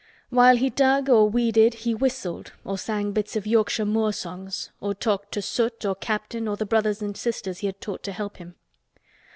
While he dug or weeded he whistled or sang bits of Yorkshire moor songs or talked to Soot or Captain or the brothers and sisters he had taught to help him.